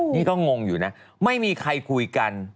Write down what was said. นี่ก็งงอยู่นะไม่มีใครคุยกัน